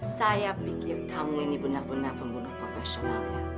saya pikir kamu ini benar benar pembunuh profesional ya